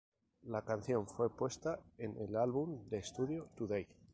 La canción fue puesta en el álbum de estudio "Today!